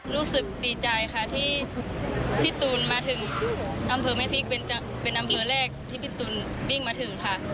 รู้สึกดีใจค่ะที่พี่ตูนมาถึงอำเภอแม่พริกเป็นอำเภอแรกที่พี่ตูนวิ่งมาถึงค่ะ